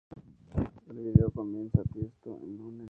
El video comienza con Tiësto en un helicóptero sobrevolando Las Vegas.